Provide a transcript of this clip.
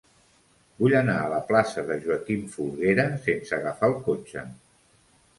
Vull anar a la plaça de Joaquim Folguera sense agafar el cotxe.